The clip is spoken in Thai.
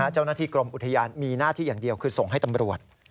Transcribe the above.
เจ้าหน้าที่กรมอุทยานมีหน้าที่อย่างเดียวคือส่งให้ตำรวจ